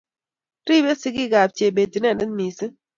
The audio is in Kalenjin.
Ribe sigiikab Chebet inendet mising